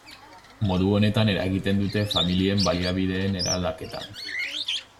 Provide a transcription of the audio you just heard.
Modu honetan eragiten dute familien baliabideen eraldaketan.